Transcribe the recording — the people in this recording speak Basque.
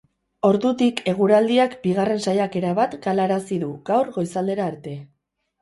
Ordutik, eguraldiak bigarren saiakera bat galarazi du, gaur goizaldera arte.